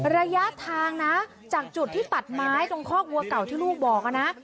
ระยะทางนะจากจุดที่ตัดไม้ตรงคอกวัวเก่าที่ลูกบอกนะ